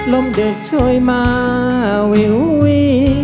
ลมเดือดช่วยมาวิววิ